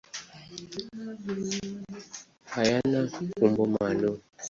Hayana umbo maalum.